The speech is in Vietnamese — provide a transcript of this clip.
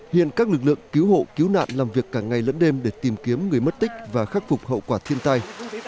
hiện các lực lượng cứu hộ cứu nạn làm việc cả ngày lẫn đêm để tìm kiếm người mất tích và khắc phục hậu quả thiên tai